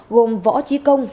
gồm võ trí công